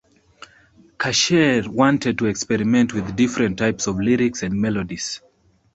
Kasher wanted to experiment with different types of lyrics and melodies.